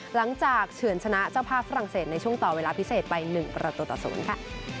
หลังจากเฉินชนะเจ้าภาพฝรั่งเศสในช่วงต่อเวลาพิเศษไปหนึ่งประตูต่อสมนตร์